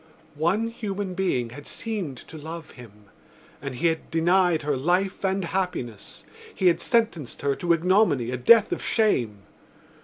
One human being had seemed to love him and he had denied her life and happiness: he had sentenced her to ignominy, a death of shame.